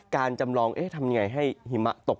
จำลองทำยังไงให้หิมะตก